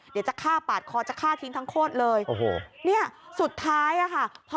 เดี๋ยวจะฆ่าปาดคอจะฆ่าทิ้งทั้งโคตรเลยโอ้โหเนี่ยสุดท้ายอ่ะค่ะ